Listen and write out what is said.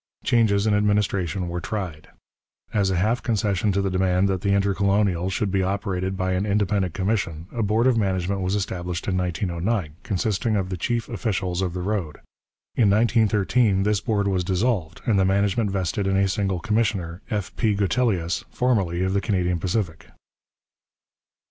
Changes in administration were tried. As a half concession to the demand that the Intercolonial should be operated by an independent commission, a board of management was established in 1909, consisting of the chief officials of the road. In 1913 this board was dissolved and the management vested in a single commissioner, F. P. Gutelius, formerly of the Canadian Pacific.